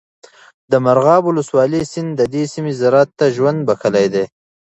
د مرغاب ولسوالۍ سیند د دې سیمې زراعت ته ژوند بخښلی دی.